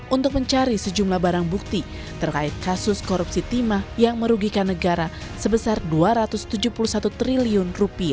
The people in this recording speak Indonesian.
untuk mencari sejumlah barang bukti terkait kasus korupsi timah yang merugikan negara sebesar rp dua ratus tujuh puluh satu triliun